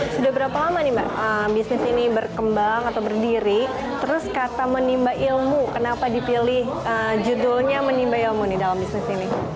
sudah berapa lama nih mbak bisnis ini berkembang atau berdiri terus kata menimba ilmu kenapa dipilih judulnya menimba ilmu nih dalam bisnis ini